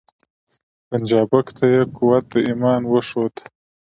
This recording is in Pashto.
پنجابک ته یې قوت د ایمان وښود